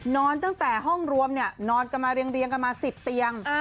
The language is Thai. นอนตั้งแต่ห้องรวมนอนกันมาเรียงกันมา๑๐เตียง